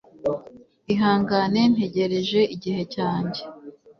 Ihangane ntegereje igihe cyanjye